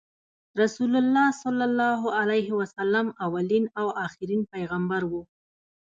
رسول الله ص اولین او اخرین پیغمبر وو۔